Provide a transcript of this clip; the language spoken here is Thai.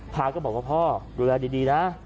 พระก็บอกว่าพ่อดูแลดีนะ